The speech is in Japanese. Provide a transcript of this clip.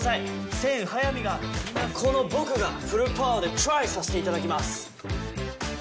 セン・ハヤミがこの僕がフルパワーでトライさせていただきます